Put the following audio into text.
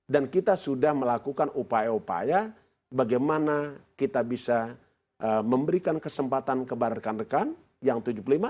dan kita sudah melakukan upaya upaya bagaimana kita bisa memberikan kesempatan ke baratkan rekan yang tujuh puluh lima